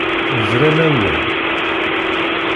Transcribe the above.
Bran-awen.